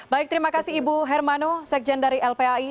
baik terima kasih ibu hermano sekjen dari lpai